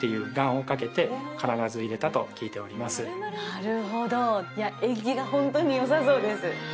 なるほどいや縁起がホントによさそうです